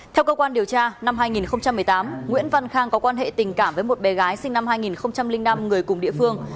theo cơ quan điều tra năm hai nghìn một mươi tám nguyễn văn khang có quan hệ tình cảm với một bé gái sinh năm hai nghìn năm người cùng địa phương